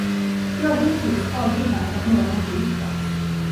Det har hittills aldrig hänt att någon förgiftats.